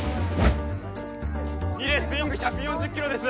楡スイング１４０キロです